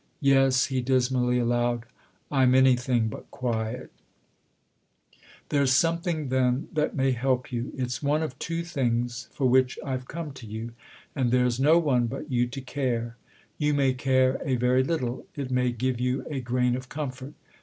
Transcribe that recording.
" Yes," he dismally allowed ;" I'm anything but quiet" THE OTHER HOUSE 311 11 There's something then that may help you : it's one of two things for which I've come to you. And there's no one but you to care. You may care a very little ; it may give you a grain of comfort.